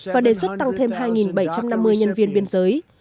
và đề xuất tăng thêm hai bảy trăm năm mươi nhân viên biên giới